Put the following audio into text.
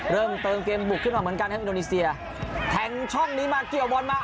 เริ่มเติมเกมบุกขึ้นมาเหมือนกันครับอินโดนีเซียแทงช่องนี้มาเกี่ยวบอลมา